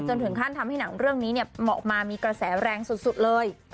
ถึงขั้นทำให้หนังเรื่องนี้เหมาะมามีกระแสแรงสุดเลย